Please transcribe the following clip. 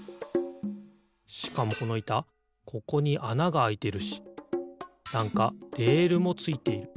しかもこのいたここにあながあいてるしなんかレールもついている。